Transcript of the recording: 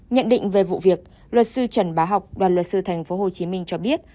nhận định về vụ việc luật sư trần bá học đoàn luật sư tp hcm cho biết